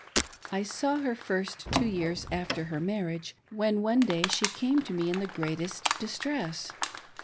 I saw her first two years after her marriage, when one day she came to me in the great est distress.